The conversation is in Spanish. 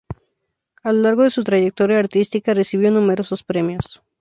A lo largo de su trayectoria artística recibió numerosos premios.